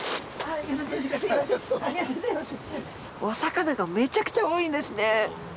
お魚がめちゃくちゃ多いんですね。